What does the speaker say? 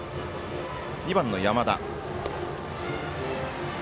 ２番の山田。